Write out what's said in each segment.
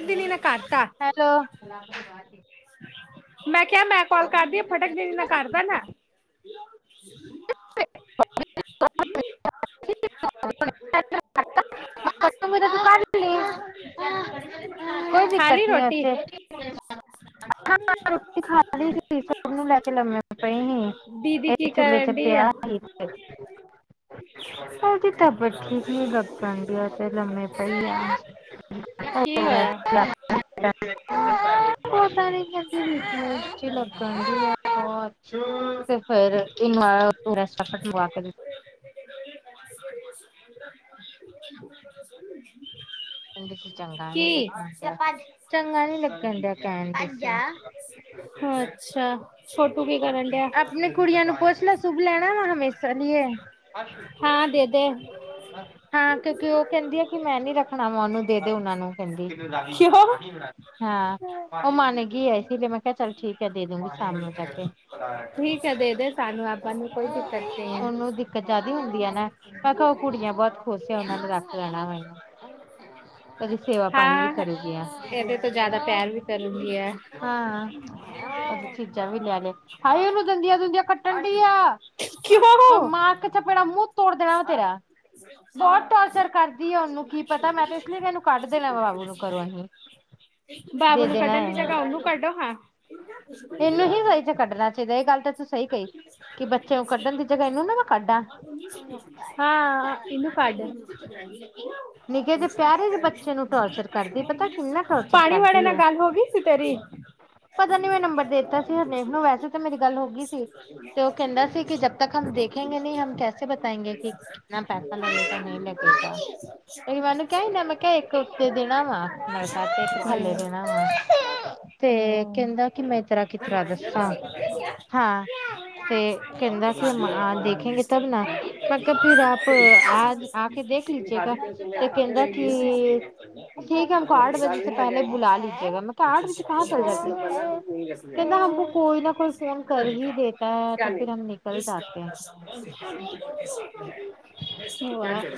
ਦਿਨੀ ਨਾ ਕਰਤਾ ਹੈਲੋ, ਮੈਂ ਕਿਆ ਮੈਂ ਕਾਲ ਕਰਦੀ ਆ, ਫੱਟ ਤਕ ਦੀਦੀ ਨੇ ਕਾਰ ਬੈਣਾ? [unintelligible] ਕੋਈ ਖਾ ਲਈ ਦਿੱਕਤ ਨੀਐ ਰੋਟੀ ਐਥੇ। ਹਾਂ, ਰੋਟੀ ਖਾ ਲੀ ਸੀ। ਸਟ ਨੂੰ ਲੈ ਕੇ ਲੰਮੀ ਪਈ ਹੀ, ਦੀਦੀ ਕੀ ਇਹ ਚੂਲੇ ਕਰਨ ਡੀ ਆ ਪਿਆ ਕਿ। ਉਹਦੀ ਤਬੀਅਤ ਠੀਕ ਨੀ ਲਰਨ ਡਿਆ ਯ। ਤੇ ਲੰਮੇ ਪਾਈ ਆ। ਕੀ ਹੋਇਆ ਪਤਾ ਨੀ ਕਿੰਦੀ ਲੱਗਦਾ ਢਿਆ। ਤੇ ਫੇਰ ਇਨਾ ਪੁਰਾ ਰੈਸਟ ਮੰਗਵਾ ਕੇ ਦਿੱ ਕਹਦੀ ਸੀ ਚੰਗਾ ਨੀ ਕੀ ਲੱਗਣ ਚੰਗਾ ਨੀ ਲੱਗਣ ਡਿਆ ਕਹਿਣ ਡਇ ਸੀ। ਅੱਛਾ, ਛੋਟੂ ਕੀ ਕਰਨ ਡਿਆ। ਆਪਣੇ ਕੁੜੀਆਂ ਨੂੰ ਪੁੱਛ ਲੈ ਸ਼ੁੱਭ ਲੈਣਾ ਵਾ ਹਮੇਸ਼ਾ ਲਈਏ ਹਾਂ ਦੇ ਦੇ ਹਾਂ ਕਿਉਂਕਿ ਉਹ ਕਹਿੰਦੀ ਆ ਕਿ ਮੈਂ ਨੀ ਰੱਖਣਾ ਵਾ ਉਹਨੂੰ ਦੇ ਦੇ ਉਹਨਾ ਨੂੰ ਕਿਉਂ ਹਾਂ ਉਹ ਮੰਨ ਗਈ ਹੈ ਇਸ ਲਈ ਮੈਂ ਕਿਹਾ ਚੱਲ ਠੀਕ ਹੈ ਦੇ ਦੂਗੀ। ਸਾਮ ਨੂੰ ਜਾ ਕੇ, ਠੀਕ ਹੈ ਦੇ ਦੇ ਸਾਨੂੰ ਆਪਾਂ ਨੂੰ ਕੋਈ ਦਿੱਕਤ ਨਹੀਂ ਹੈ ਓਨੂੰ ਦਿੱਕ ਕਚਾ ਦੀ ਹੁੰਦੀਆ ਨਾ, ਮੈਂ ਕਆ ਓਹ ਕੁੜੀਆਂ ਬੌਤ ਖੁਸ ਏ, ਓਹਨਾਂ ਨੇ ਰੱਖ ਲੈਣਾ ਵਾ ਏਨੂੰ। ਕਦੀ ਸੇਵਾ ਪਾਣੀ ਵੀ ਹਾਂ ਕਰੂਗੀਆ, ਇਹਦੇ ਤੋਂ ਜ਼ਿਆਦਾ ਪਿਆਰ ਵੀ ਕਰੂੰਗੀ ਆ ਹਾਂ। ਚੀਜ਼ਾਂ ਵੀ ਲੈ ਲੇ, ਹਾਏ! ਓਨੂੰ ਦੰਦੀਆਂ-ਦੁਦੀਆਂ ਕੱਟਣ ਡੀ ਆ। ਕਿਉਂ ਮਾਂ ਚਪੇਣਾ, ਮੂੰਹ ਤੋੜ ਦੇਣਾ ਵਾ ਤੇਰਾ, ਬਹੁਤ ਟਾਰਚਰ ਕਰਦੀ ਹੈ ਉਹਨੂੰ ਕੀ ਪਤਾ ਲਰ ਕਿ ਇਹਨੂੰ ਕੱਢ ਦੇਣਾ ਬਾਬੂ ਨੂੰ ਘਰੋ ਏਨੂ। ਬਾਾਬੂ ਨੂੰ ਕਢਨ ਦੀ ਜਰਹ ਉਨ੍ਹ ਕਢੋ ਹਾਂ। ਇਹਨੂੰ ਹੀ ਸਹੀ ਕੱਢਣਾ ਚਾਹੀਦਾ ਇਹ ਗੱਲ ਤਾਂ ਤੂੰ ਸਹੀ ਕਹੀ। ਕਿ ਬੱਚੇਆ ਨੁ, ਕੱਢਣ ਦੀ ਜਗ੍ਹਾ ਇਹਨੂੰ ਨਾ ਮੈਂ ਕੱਢਾ। [inaudible] ਹਾਂ ਇਹਨੂੰ ਕੱਢ ਨਿੱਕੇ ਯੇਅ ਪਿਆਰੇ ਯਏ ਬੱਚੇ ਨੂੰ ਟੋਰਚਰ ਕਰਦੀ ਪਤਾ ਕਿੰਨਾ ਟੋਚਰ ਪਾਣੀ ਵਾਲੇ ਕਰਦੀ ਨਾਲ ਹੈ। ਗੱਲ ਹੋ ਗਈ ਸੀ ਤੇਰੀ ਪਤਾ ਨੀ ਏ ਨੰਬਰ ਦੇਤਾ ਸੀ ਹਰਨੇਕ ਨੂੰ ਵੈਸੇ ਤਾਂ ਮੇਰੀ ਗੱਲ ਹੋ ਗਈ। ਤੇ ਉਹ ਕਹਿੰਦਾ ਸੀ ਕਿ ਜਬ ਤੱਕ ਹਮ ਦੇਖੇਗੇ ਨਹੀਂ ਹਮ ਕੈਸੇ ਬਤਾਏਂਗੇ ਕਿ ਕਿੰਨਾ ਪੈਸਾ ਲੱਗੇਗਾ ਨਹੀਂ ਲੱਗੇਗਾ ਮੈਨੂੰ ਕ ਹੀਦਾ ਮੈਂ ਕਿਹਾ ਇੱਕ ਉੱਤੇ ਦੇਣਾ ਵਾ ਮਕਾ ਤੇ ਇੱਕ ਥੱਲੇ ਦੇਣਾ ਤੇ ਕਹਿੰਦਾ ਕਿ ਮੈਂ ਤਰ੍ਹਾਂ ਕਿਸ ਤਰ੍ਹਾਂ ਦੱਸਾਂ ਹਾਂ ਤੇ ਕਹਿੰਦਾ ਕਿ ਹਮ ਆ ਦੇਖੇਗੇ ਤਬ ਨਾ ਮਤਬ ਫਿਰ ਆਪ ਆਜ ਆ ਕੇ ਦੇਖ। ਕੀਜੇਗਾ ਤੇ ਕਹਿੰਦਾ ਕੇ ਠੀਕ ਹੈ ਹਮ ਆਠ ਵਜੇ ਪਹਿਲੇ ਬੁਲਾ ਲੇਤੇ ਹੈਨਾ। ਕਾਟ ਵਿੱਚ ਕਹਾ ਚੱਲ ਜਾਂਦੇ ਕਹਿੰਦਾ ਹ ਕੋਈ ਨਾ ਕੋਈ ਫੋਨ ਕਰ ਹੀ ਦੇਤਾ ਹੈ ਤਾਂ ਫਿਰ ਹਮ ਨਿਕਲ ਜਾਤੇ ਹੈ। [unintelligible]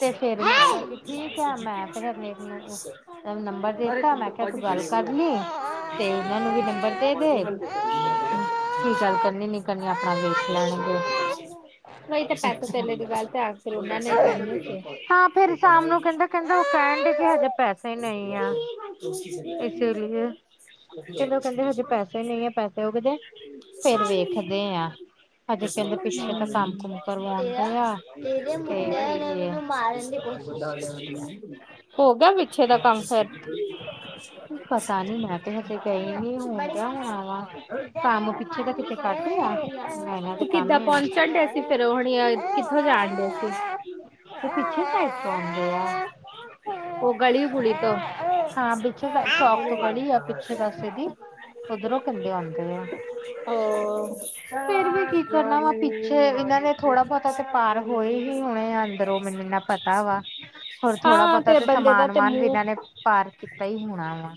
ਤੇ ਫਿਰ ਮੈਂ ਕਿਹਾ ਕਿ ਠੀਕ ਹੈ, ਮੈਂ ਫਿਰ ਹਰਨੇਕ ਨੂੰ ਨੰਬਰ ਦਿੱਤਾ। ਮੈਂ ਕਿਹਾ ਤੂੰ ਗੱਲ ਕਰ ਪਹਚਣੇਗੀਹਚ ਲਈ ਤੇ ਉਹਨਾਂ ਨੂੰ ਵੀ ਨੰਬਰ ਦੇ ਦੇ, ਸਮ ਕੀ ਗੱਲ ਕਰਨੀ ਨੀ ਕਰਨੀ ਆਪਣਾ ਵੇਖ ਲੈਣਗੇ। ਨਹੀਂ ਤਾਂ ਇਸ ਪੈਸੇ ਤਰ੍ਹਾਂ ਪਹਿਲੇ ਦੀ ਗੱਲ ਤੇ ਆ ਉਹਨਾਂ ਨੇ ਕਰਨੀ ਸੀ ਹਾਂ ਫੇਿਰ ਸ਼ਾਮ ਨੂੰ ਕਹਿੰਦਾ ਕਹਿੰਦਾ ਉਹ ਫੇਡ ਸੀ ਹਜੇ ਪੈਸੇ ਨਹੀਂ ਆ ਇਸੇ ਲਈ ਕਹਿੰਦੇ ਉਹ ਕਹਿੰਦੇ ਹਜੇ ਪੈਸੇ ਨਹੀਂ ਹੈ ਪੈਸੇ ਉਹ ਕਿਦੇ ਫਿਰ ਵੇਖਦੇ ਆ ਅਜੇ ਕਹਿੰਦੇ ਪਿੱਛੇ ਤਾਂ ਕੰਮ ਕੁਮ ਕਰਵਾਉਦਾ ਆ ਤੇ ਹੋ ਗਿਆ ਪਿੱਛੇ ਦਾ ਕੰਮ ਫਿਰ ਪਤਾ ਨੀ ਮੈਂ ਤੇ ਹਜੇ ਗਈ ਨਿ ਹੁੲ ਕੳ ਮੇ ਆਵਾਂ। ਕੰਮ ਪਿੱਛੇ ਤਾਂ ਕਿਤੇ ਕਰਦੇ ਆ ਇਹਨਾਂ ਦੇ ਕੰਮ ਇ ਐਮੇ ਏ। ਕਿਥੋਂ ਜਾਣ ਡਏ ਸੀ। ਤੇ ਪਿੱਛੇ ਸਾਈਡ ਤੋਂ ਆਉਂਦੇ ਆ ਉਹ ਗਲੀ ਗੁੱਲੀ ਤੋਂ ਹਾਂ ਪਿੱਛੇ ਤ ਸ਼ੌਕ ਤੋਂ ਗੜੀ ਆ ਪਿੱਛੇ ਪਾਸੇ ਦੀ ਉਧਰੋਂ ਕਹਿੰਦੇ ਆਉਂਦੇ ਆ ਉਹ ਫਿਰ ਵੀ ਕੀ ਕਰਨਾ ਵੈਂ ਪਿੱਛੇ ਇਹਨਾਂ ਨੇ ਥੋੜਾ ਬਹੁਤਾ ਤੇ ਪਾਰ ਹੋਏ ਹੀ ਹੁਣੇ ਅੰਦਰੋਂ ਮੈਨੂੰ ਇੰਨਾ ਪਤਾ ਵਾ ਹੋਰ ਥੋੜਾ ਹਾਂ ਬਹੁਤਾ ਤੇਰੇ ਤੇ ਬੰਦੇ ਦਾ ਸਮਾਨ ਤੇ ਵਮਾਨ ਵੀ ਇਹਨਾਂ ਨੇ ਮੂੰਹ ਪਾਰ ਕੀਤਾ ਹੀ ਹੋਣਾ ਵਾ।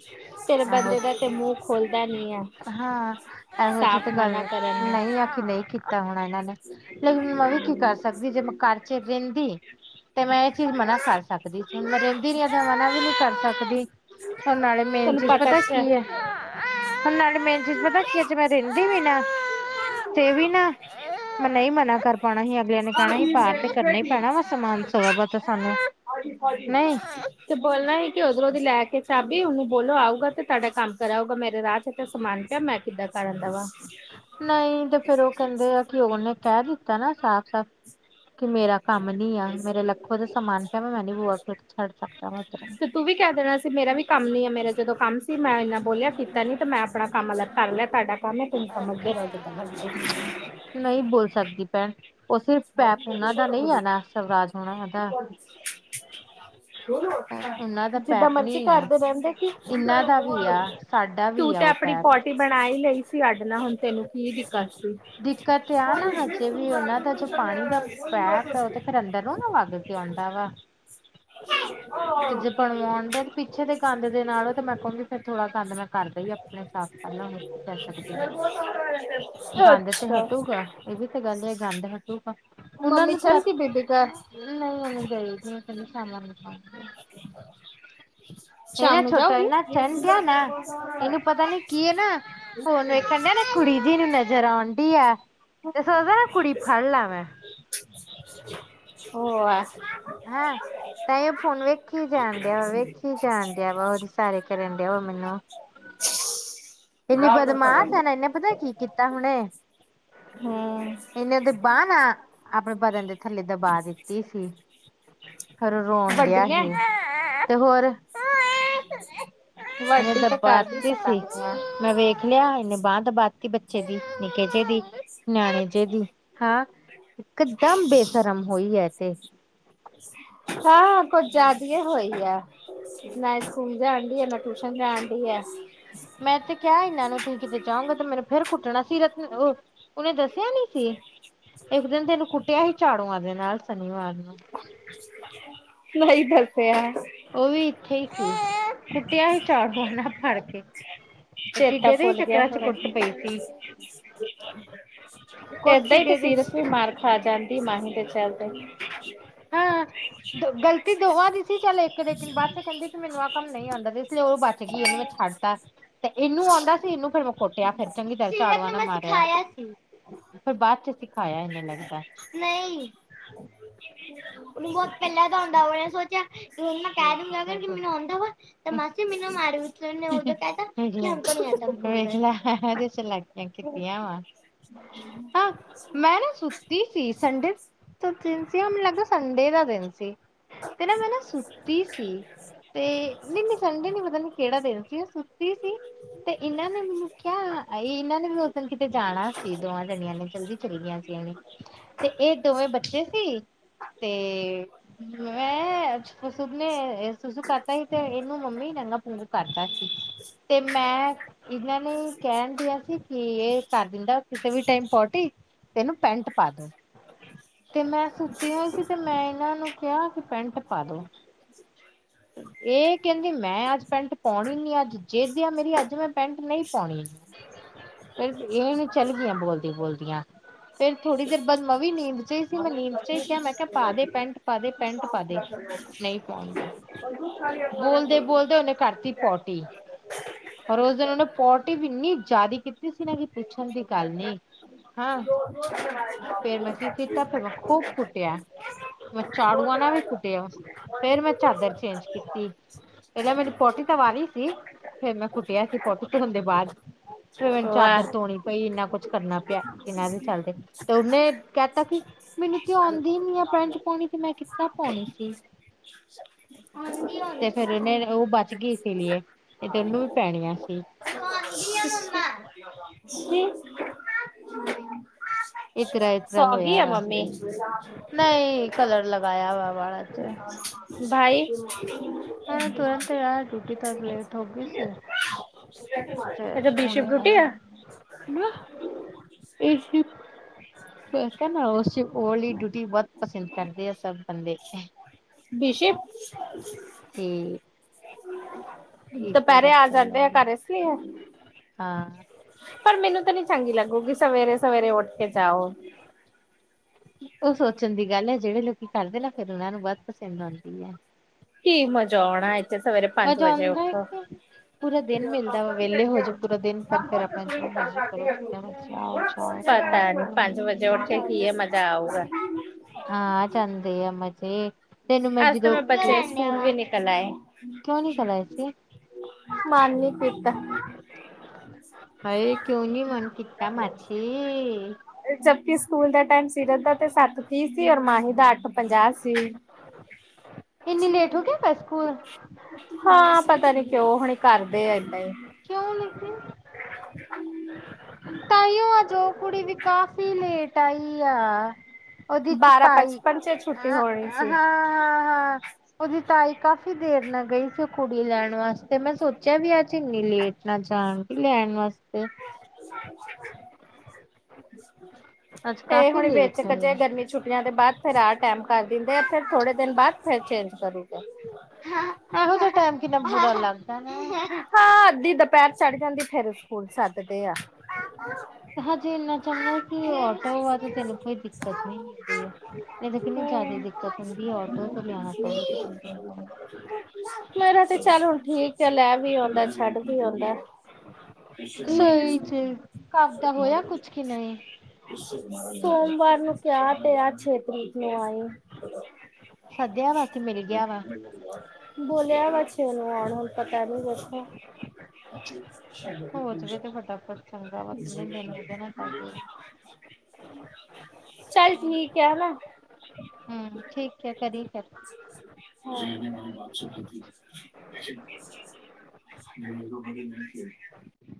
ਫਿਰ ਆਹੋ ਬੰਦੇ ਦਾ ਤੇ ਮੂੰਹ ਖੋਲਦਾ ਨੀ ਆ ਹਾਂ ਇਹੋ ਜਿਹੀ ਸਾਫ਼ ਤੇ ਗੱਲ ਮਨਾ ਕਰਨ ਨੂੰ ਨਹੀਂ ਆ ਕਿ ਨਹੀਂ ਕੀਤਾ ਹੋੁਣਾ ਇਹਨਾਂ ਨੇ ਲੇਕਿਨ ਮੈਂ ਵੀ ਕੀ ਕਰ ਸਕਦੀ ਜੇ ਮੈਂ ਘਰ ਚ ਰਹਿੰਦੀ- ਤੇ ਮੈਂ ਇਹ ਚੀਜ਼ ਮਨਾ ਕਰ ਸਕਦੀ ਸੀ। ਹੁਣ, ਮੈਂ ਰਹਿੰਦੀ ਨੀ ਤੇ ਮਨਾ ਵੀ ਨਹੀਂ ਕਰ ਸਕਦੀ। ਹੁਣ ਨਾਲੇ ਮੇਨ ਚੀਜ਼ ਪਤਾ ਕੀ ਹੈ? ਹੁਣ ਨਾਲੇ ਮੇਨ ਚੀਜ਼ ਪਤਾ ਕਿ ਹੈ, ਜੇ ਮੈਂ ਰਹਿੰਦੀ ਵੀ ਨਾ- ਤੇ ਵੀ ਨਾ, ਮੈਂ ਨਹੀਂ ਮਨਾ ਕਰ ਪਾਉਣਾ ਸੀ। ਅਗਲਿਆਂ ਨੇ ਕਹਿਣਾ ਸੀ ਪਾਰ ਤੇ ਕਰਨਾ ਹੀ ਪੈਣਾ ਵੇ। [unintelligible] ਨਹੀਂ ਤੇ ਬੋਲਣਾ ਹੀ, ਕਿ ਉਧਰੋਂ ਦੀ ਲੈ ਕੇ ਚਾਬੀ, ਉਹਨੂੰ ਬੋਲੋ ਆਊਗਾ ਤੇ ਤੁਹਾਡਾ ਕੰਮ ਕਰਾਉਗਾ ਮੇਰੇ ਰਾਤ- ਥੇ ਤਾਂ ਸਮਾਨ ਪਿਆ ਮੈਂ ਕਿੱਦਾਂ ਕਰਨ ਦਾ ਵਾ- ਨਹੀਂ ਤੇ ਫਿਰ ਉਹ ਕਹਿੰਦੇ ਆ ਕਿ ਉਹਨੇ ਕਹਿ ਦਿੱਤਾ ਨਾ ਸਾਫ਼ ਸਾਫ਼ ਕਿ ਮੇਰਾ ਕੰਮ ਨੀ ਆ, ਮੇਰੇ ਲੱਖੋ ਦਾ ਸਮਾਨ ਪਿਆ। ਮੈਂ ਨੀ ਬੂਆ ਛੱਡ ਸਕਦਾ। ਤੇ ਤੂੰ ਵੀ ਕਹਿ ਦੇਣਾ ਸੀ ਮੇਰਾ ਵੀ ਕੰਮ ਨੀ ਆ। ਮੇਰਾ ਜਦੋਂ ਕੰਮ- ਵੀ ਮੈਂ ਇੰਨਾ ਬੋਲਿਆ ਕੀਤਾ ਨੀ, ਤੇ ਮੈਂ ਆਪਣਾ ਕੰਮ ਅਲੱਗ ਕਰ ਲਿਆ। ਤੁਹਾਡਾ ਕੰਮ ਹੈ, ਤੁਸੀਂ ਸਮਝਦੇ ਰਹੋ ਜਿੱਦਾਂ ਮਰਜ਼ੀ ਹੈ। ਨਹੀਂ ਬੋਲ ਸਕਦੀ ਭੈਣ। ਉਹ ਸਿਰਫ ਪੈਪ ਉਹਨਾਂ ਦਾ ਨਹੀਂ ਆ ਨਾ ਸਵਰਾਜ- ਹਣਾ ਹਾਤਾ। ਉਹਨਾਂ ਦਾ ਜਿੱਦਾਂ ਪੈਪ ਮਰਜ਼ੀ ਨੀ ਆ। ਕਰਦੇ ਰਹਿੰਦੇ ਕਿ ਇਹਨਾਂ ਦਾ ਵੀ ਆ। ਸਾਡਾ ਵੀ ਆ ਉਹ। ਪੈਪ ਕੋਟੀ ਬਣਾ ਹੀ ਲਈ ਸੀ। ਅੱਡ ਨਾਲ ਹੁਣ ਤੈਨੂੰ ਕੀ ਦਿੱਕਤ ਸੀ? ਦਿੱਕਤ ਆ ਨਾ, ਹਜੇ ਵੀ ਉਹਨਾਂ ਦਾ ਜੋ ਪਾਣੀ ਦਾ ਪੈਪ ਹੈ। ਉਹ ਤੇ ਫਿਰ ਅੰਦਰੋਂ ਨਾ ਵੱਗ- ਆਉਂਦਾ ਵਾ- ਤੇ ਜੇ ਬਣਵਾਉਣ ਗੇ, ਤੇ ਪਿੱਛੇ ਦੇ ਕੰਦ ਦੇ ਨਾਲੋਂ ਤੇ ਮੈਂ ਕਹੂੰਗੀ, ਫਿਰ ਥੋੜਾ ਕੰਦ ਨਾਲ ਕਰ ਦਿਓ। ਆਪੇ ਸਾਫ਼ ਕਰਲਾ- ਗੰਦ [unintelligible] ਤੇ ਹਟੂਗਾ ਇਹ ਵੀ ਤਾਂ ਗੱਲ ਹੈ, ਗੰਦ ਹਟੂਗਾ। ਉਹਨਾਂ ਮੰਮੀ ਨੂੰ ਚੱਲ ਤਾਂ- ਗਈ ਬੀਬੀ [unintelligible] ਘਰ ਇਹ ਸ਼ਾਮ ਨਾ ਨੂੰ ਛੋਟਾ ਜਾਊਗੀ ਇਹਨਾ ਚਟਂ ਨਾ ਇਹਨੂੰ ਪਤਾ ਨੀ ਕੀਏ ਨਾ- ਫੋਨ ਵੇਖਣ ਡੇ ਨਾ ਕੁੜੀ ਜੀ ਨੂੰ ਨਜ਼ਰ ਆਉਂ ਡੀ ਆ। ਤੇ ਸੋਚਦਾ ਨਾ ਕੁੜੀ ਫੜ ਲੈ ਮੈਂ। ਹੋਰ। ਹੈ, ਤਾਂ ਹੀ ਉਹ ਫੋਨ ਵੇਖੀ ਜਾਣ ਡਿਆ ਵਾ ਵੇਖੀ- ਜਾਣ ਡਿਆ ਵਾ ਉਹਦੇ ਸਾਰੇ ਕਰਨ ਡਿਆ ਵਾ ਮੈਨੂੰ। [inaudible] ਇੰਨੀ ਬਦਮਾਸ਼ ਹੈ ਨਾ। ਇਹਨੇ ਪਤਾ ਕੀ ਕੀਤਾ ਹੁਣੇ? ਹਮ ਇਨੇ ਉਹਦੇ ਬਾਹ ਨਾ ਆਪਣੇ ਬਦਨ ਦੇ- ਥੱਲੇ ਤੇ ਬਾ ਦਿੱਤੀ ਸੀ ਫਿਰ ਰੋਣ ਵੱਡੀ ਡਿਆ ਨੇ ਸੀ। ਤੇ ਹੋਰ? ਇਹਨੇ ਵੱਡੀ ਤਾਂ ਕਰ ਵੀ ਦਬਾਤੀ ਸੀ ਸਕਾ- ਮੈਂ ਵੇਖ ਲਿਆ, ਇਹਨੇ ਬਾਂਹ ਦਬਾਤੀ ਬੱਚੇ ਦੀ ਨਿੱਕੇ ਜੇ ਦੀ, ਨਿਆਣੇ ਜੇ ਦੀ। ਹਾਂ, ਇਕਦਮ ਬੇਸ਼ਰਮ ਹੋਈ ਏਹ ਤੇੇ। ਹਾਂ, ਕੁਝ ਜ਼ਿਆਦੀਏ ਹੋਈ ਆ। ਨਾ ਸਕੂਲ ਜਾਣਦੀ ਹੈ। ਨਾ ਟਿਊਸ਼ਨ ਜਾਣਦੀ ਹੈ। ਮੈਂ, ਤੇ ਕਿਹਾ ਇਹਨਾਂ ਨੂੰ ਤੁਸੀਂ ਕਿਤੇ ਜਾਔਗੇ। ਤੇ ਮੈਨੂੰ ਫੇਰ ਕੁੱਟਣਾ ਸਿਰ ਇਥੇ ਰਹੋ। ਉਹਨੇ ਦੱਸਿਆ ਨੀ, ਸੀ ਇੱਕ ਦਿਨ ਤੇ ਕੁੱਟਿਆ ਸੀ ਝਾੜੂਆਂ ਦੇ ਨਾਲ ਸ਼ਨੀਵਾਰ ਨੂੰ। ਨਹੀਂ ਦੱਸਿਆ। ਉਹ ਵੀ ਇੱਥੇ ਸੀ। ਕੁੱਟਿਆ ਹੀ ਚਾੜੂਆਂ ਨਾਲ ਫੜ ਕੇ। ਚੇਤਾ ਟਿੱਡੇ ਦੇ ਹੀ ਭੁੱਲ ਗਿਆ ਚੱਕਰਾਂ ਚ ਹੁਣ। ਕੁੱਟ ਏਦਾਂ ਪਈ ਸੀ ਕੁੱਟ ਹੀ ਤੇ, ਟਿੱਡੇ ਦੇ ਸੀਰਤ ਵੀ ਮਾਰ ਖਾ ਜਾਂਦੀ ਮਾਹੀ ਦੇ ਚਲਦੇ। ਹਮ। ਦ ਗਲਤੀ ਦੋਵਾਂ ਦੀ ਸੀ, ਚੱਲ ਇੱਕ ਲੇਕਿਨ ਬਾਅਦ ਚ ਕਹਿੰਦੀ, ਕਿ ਮੈਨੂੰ ਆ ਕੰਮ ਨਹੀਂ ਆਉਂਦਾ। ਇਸ ਲਈ ਉਹ ਬਚ ਗਈ। ਛੱਡਤਾ ਤੇ ਇਹਨੂੰ ਆਉਂਦਾ ਸੀ ਇਹਨੂੰ ਫਰ ਮੈਂ ਕੁੱਟਿਆ ਫਿਰ ਚੰਗੀ ਤਰ ਚੂਆਂ ਨੇ ਮਾਰਿਆ ਫ ਬਾਅਦ ਚ ਸਿਖਾਇਆ ਇਨੇ ਲੱਗਦਾ ਨਹੀਂ ਉਹਨੂੰ ਬਹੁਤ ਪਹਿਲਾਂ ਤਾਂ ਆਉਂਦਾਾ ਉਹਨੇ ਸੋਚਿਆ ਕਿ ਹੁਣ ਮੈਂ ਕਹਿ ਦੂਗਾ ਮੈਨੂੰ ਆਉਂਦਾ ਵਾ ਤੇ ਮਸੀ ਮੈਨੂੰ ਮਾਰ ਵਿਰ ਕ ਦੇ ਚਲਾਗੀਆਂ ਕੀਤੀਆਂ ਵਾ ਹਾਂ ਮੈਂ ਨਾ ਸੁੱਤੀ ਸੀ ਸੰਡੇ ਦਿਨ ਸੀ ਮੈਨੂੰ ਲੱਗਦਾ ਸੰਡੇ ਦਾ ਦਿਨ ਸੀ ਤੇ ਨਾ ਮੈਂ ਨਾ ਸੁੱਤੀ ਸੀ ਤੇ ਨਹੀਂ ਨਹੀਂ ਸੰਡੇ ਨੀ ਪਤਾ ਨੀ ਕਿਹੜਾ ਦਿਨ ਸੀ ਸੀ ਤੇ ਇਹਨਾਂ ਨੇ ਮੈਨੂੰ ਕਿਹਾ ਇਹ ਇਹਨਾਂ ਨੇ ਵੀ ਉਸ ਦਿਨ ਕਿਤੇ ਜਾਣਾ ਸੀ ਦੋਵਾਂ ਜਣਿਆਂ ਨੇ ਚਲਦੀ ਚੱਲ ਗੀਆਂ ਸੀ ਉਹਣੀ ਤੇ ਇਹ ਦੋਵੇਂ ਬੱਚੇ ਸੀ ਤੇ ਮੈਂ ਸਭ ਨੇ ਸੁਸੂ ਕਰਤਾ ਸੀ। ਤੇ, ਇਹਨੂੰ ਮੰਮੀ ਨੰਗਾ ਪੂੰਰਾ ਕਰਤਾ ਸੀ। ਤੇ, ਮੈਂ ਇਹਨਾਂ ਨੇ ਕਹਿਣ ਡਿਆ ਸੀ ਕਿ ਇਹ ਕਰ ਦਿੰਦਾ ਕਿਸੇ ਵੀ ਟਾਈਮ ਪੋਟੀ ਤੇ ਇਹਨੂੰ ਪੈਂਟ ਪਾ ਦੋ। ਤੇ, ਮੈਂ ਸੁੱਤੀ ਹੋਈ ਸੀ। ਤੇ ਮੈਂ ਇਹਨਾਂ ਨੂੰ ਕਿਹਾ ਕਿ ਪੈਂਟ ਪਾ ਦੋ। ਇਹ ਕਹਿੰਦੀ ਮੈਂ ਅੱਜ ਪੈਂਟ ਪਾਉਣੀ ਨੀ ਅੱਜ ਜਿੱਦ ਆ ਮੇਰੀ ਅੱਜ ਮੈਂ ਪੈਂਟ ਨਹੀਂ ਪਾਉਣੀ ਫਿਰ ਇਹਨ ਚੱਲ ਗਈਆਂ ਬੋਲਦੀ ਬੋਲਦੀਆਂ ਫੇਰ ਥੋੜੀ ਦੇਰ ਬਾਅਦ ਮ ਵੀ ਨੀਂਦ ਚ ਹੀ ਸੀ ਮੈਂ ਨੀਂਦ ਚ ਹੀ ਕਿਹਾ ਮੈਂ ਕਿਹਾ ਪਾ ਦੇ ਪੈਂਟ ਪਾ ਦੇ ਪੈਂਟ ਪਾ ਨਹੀਂ ਪਾਉਣ ਦੀ ਬੋਲਦੇ ਬੋਲਦੇ ਉਹਨੇ ਕਰਤੀ ਪੋਟੀ ਰ ਉਸ ਦਿਨ ਉਹਨੇ ਪੋਟੀ ਵੀ ਇੰਨੀ ਜ਼ਿਆਦਾ ਕੀਤੀ ਸੀ ਨਾ ਕਿ ਪੁੱਛਣ ਦੀ ਗੱਲ ਨ ਹਾਂ ਜੋ ਫੇਰ ਮ ਕਿ ਫੀਤਾ ਫੇਰ ਮੈਂ ਖੂਬ ਕੁੱਟਿਆ ਮੈਂ ਝਾੜੂਆਂ ਨਾਲ ਵੀ ਕੁੱਟਿਆ ਫੇਰ ਮੈਂ ਚਾਦਰ ਚੇਂਜ ਕੀਤੀ ਪਹਿਲਾਂ ਮੈਨੂੰ ਪੋਟੀ ਤੋਂਵਾਣੀ ਸੀ ਫੇਿਰ ਮੈਂ ਕੁੱਟਿਆ ਸੀ ਪੋਟੀ ਧੋਣ ਦੇ ਬਾਅਦ ਫ ਮੈਨੂੰ ਚਾਦਰ ਵਾਹ ਧੋਣੀ ਪਈ ਇੰਨਾ ਕੁੱਛ ਕਰਨਾ ਪਿਆ ਇਹਨਾਂ ਦੇ ਚਲਦੇ ਤੇ ਉਹਨੇ ਕਹਿ ਤ ਕਿ ਮੈਨੂੰ ਤੇਉਂਦੀ ਨੀ ਆ ਪੈਂਟ ਪਾਉਣੀ ਤੇ ਮੈਂ ਕਿ ਤਾਂ ਪਾਉਣੀ ਸੀ ਤੇ ਫੇਿਰ ਉਹਨੇ ਉਹ ਬਚ ਗਈ ਇਸ ਲਈਏ ਇਹ ਤੇ ਉਹਨੂੰ ਵੀ ਪੈਣੀਆਂ ਸੀ [unintelligible] ਇਸਤਰਾ ਸੌ ਇਸਤਰਾ੍ਹਾਂ ਹੋਇਆ ਵਾ [unintelligible] ਨਹੀਂ ਕਲਰ ਲਗਾਇਆ ਹੋਆ ਬੜਾ ਤੇ ਭਾਈ ਹੁਣ ਤੁਰੰਤ ਆ ਡਿਊਟੀ ਤੋਂ ਲੇਟ ਹੋ ਗਈ ਸੀ ਅੱਛਾ ਬੀਸ਼ਪ ਰੂਟੀ ਆ ਨਾ ਇਹ ਬਤਾ ਨਾ ਅਸ ਹੋੌਲੀ ਡੂਟੀ ਬਹੁਤ ਪਸੰਦ ਕਰਦੇ ਆ ਸਭ ਬੰਦੇ [unintelligible] [unintelligible] ਦੁਪਹਿਰੇ ਆ ਐਪਲ ਜਾਂਦੇ ਆ ਵਾਲੀ ਘਰ ਇਸ ਲਈ ਹਾਂ ਪਰ ਮੈਨੂੰ ਤਾਂ ਨੀ ਚੰਗੀ ਲੱਗੂਗੀ ਸਵੇਰੇ ਸਵੇਰੇ ਉੱਠ ਕੇ ਜਾਓ ਉਹ ਸੋਚਣ ਦੀ ਗੱਲ ਹੈ ਜਿਹੜੇ ਲੋਕ ਕਰਦੇ ਨਾ ਫਿਰ ਉਹਨਾ ਨੂੰ ਬਹੁਤ ਪਸੰਦ ਆਉਂਦੀ ਆ ਕੀ ਮਜ਼ਾ ਆਉਣਾ ਇੱਥੇ ਸਵੇਰੇ ਪੰਜ ਮਜ਼ਾ ਵਜੇ ਉਠ ਆਉਂਦਾ [unintelligible] ਹੈ ਕਿ ਪੂਰਾ ਦਿਨ ਮਿਲਦਾ ਵਾ ਵਿਹਲੇ ਹੋ ਜਾਓ ਪੂਰਾ ਦਿਨ ਪਰ ਫਿਰ ਆਪਣਾ ਜੋ ਮਰਜ਼ੀ ਕਰੋ ਜਿੱਦਾਂ ਮਰਜ਼ੀ ਆਓ ਜਾਓ ਪਤਾ ਖਾਓ ਨੀ ਪੰਜ ਵਜੇ ਉੱਠ ਕੇ ਕੀ ਪੀਓ ਹੈ ਮਜ਼ਾ ਆਊਗਾ ਹਾਂ ਜਾਂਦੇ ਅਮ ਜੀ ਅਜ ਤਾਂ ਮੈਂ ਬੱਚੇ ਸਕੂਲ ਵੀ ਨਿਕਲ ਆਏ ਕਿਉਂ ਨੀ ਕਰਾਏ ਸੀ ਮਨ ਨਹੀ ਕੀਤਾ ਹਏ ਕਿਉ ਨ ਮਨ ਕਿਤਾ ਮਛ ਜਪੀ ਸਕੂਲ ਦਾ ਟਾਈਮ ਸੀਰਤ ਦਾ ਤੇ ਸੱਤ ਤੀਹ ਸੀ ਔਰ ਮਾਹੀ ਦਾ ਅੱਠ ਪੰਜਾਹ ਸੀ। ਇੰਨੀ ਲੇਟ ਹੋ ਗਿਆ ਤਾ ਸਕੂਲ ਹਾਂ ਪਤਾ ਨੀ ਕਿਉਂ ਹੁਣੀ ਕਰਦੇ ਆ ਏਦਾਂ ਹੀ। ਕਿਉਂ ਲਿਖਦੇ। ਤਾਈਓ ਅੱਜ ਕੁੜੀ ਵੀ ਕਾਫ਼ੀ ਲੇਟ ਆਈ ਆ। ਉਹਦੇ ਚ ਬਾਰਾਂ ਤਾਈ ਪਚਪਨ ਚ ਛੁੱਟੀ ਹ ਹੋਣੀ ਹ ਸੀ ਹ ਉਹਦੀ ਤਾਈ ਕਾਫ਼ੀ ਦੇਰ ਨਾ ਗਈ ਸੀ ਉਹ ਕੁੜੀ ਲੈਣ ਵਾਸਤੇ ਮੈਂ ਸੋਚਿਆ ਵੀ ਅੱਜ ਇੰਨੀ ਲੇਟ ਨਾ ਜਾਣ। ਲਿਆਣ ਵਾਸਤੇ। ਅੱਜ ਤੇ ਕਾਫ਼ੀ ਹੁਣ ਲੇਟ ਵੇਚ ਕੇ ਗਈ। ਜੇ ਗਰਮੀ ਚ। ਛੁੱਟੀਆਂ ਦੇ ਬਾਅਦ ਫਿਰ ਆਹ ਟਾਈਮ ਕਰ ਦਿੰਦੇ ਆ ਫਿਰ ਥੋੜੇ ਦਿਨ ਬਾਅਦ ਫਿਰ ਚੇਂਜ ਕਰੂਗਾ। ਇਹੋ ਜੈ ਟਾਈਮ ਕਿਨਾ ਲੱਗਦਾ ਵਾ। ਪੈਰ ਚੜ ਜਾਂਦੀ ਫੇਰ ਸਕੂਲ ਸੱਦਦੇ ਆ ਹਜੇ ਇੰਨਾ ਚੰਗਾ ਕਿ ਆਟੋ ਵਾ ਤਾਂ ਤੈਨੂੰ ਕੋਈ ਦਿੱਕਤ ਨ ਹੁੰਦੀ ਆ ਇਹ ਤਾਂ ਕਿੰਨਨੀ ਜ਼ਿਆਦਾ ਦਿੱਕਤ ਹੁੰਦੀ ਆਟੋ ਤੋਂ ਲਿਆਣਾ ਪਵੇ ਮੇਰਾ ਤੇ ਚੱਲ ਹੁਣ ਠੀਕ ਆ ਲੈ ਵੀ ਆਉਂਦਾ ਛੱਡ ਵੀ ਆਉਂਦਾ ਨਹੀਂ ਜੇ ਕਪ ਦਾ ਹੋਇਆ ਕੁਛ ਕੀ ਨਹੀਂ? ਸੋਮਵਾਰ ਨੂੰ ਕਿਹਾ ਤੇ ਆ ਛੇਤੀ ਆਈ। ਸੱਦਿਆ ਵਾ ਕਿ ਮਿਲ ਗਿਆ ਵਾ ਬੋਲ ਅਛੇ ਉਹਨ ਆਣ ਪਤਾ ਨਹੀਂ ਵੇਖੋ। [inaudible] ਹੋ ਜਾਵੇ ਤੇ ਵੱਡਾ ਚੰਗਾ ਵਾ ਕਿੰਨੇ ਦਿਨ ਹੋਗੇ ਨੇ। ਚੱਲ ਠੀਕ ਹੈ ਹਨਾ। ਹੁੰ ਠੀਕ ਹੈ ਕਰੀ ਫਿਰ। [unintelligible] [unintelligible]